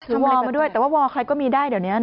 วอลมาด้วยแต่ว่าวอลใครก็มีได้เดี๋ยวนี้